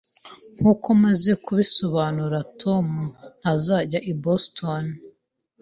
Nkuko maze kubisobanura, Tom ntazajya i Boston